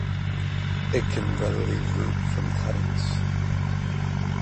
It can readily root from cuttings.